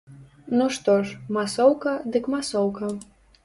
Ну што ж, масоўка, дык масоўка.